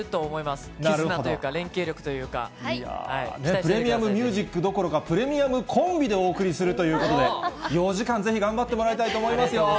ＰｒｅｍｉｕｍＭｕｓｉｃどころか、プレミアムコンビでお送りするということで、４時間ぜひ、頑張ってもらいたいと思いますよ。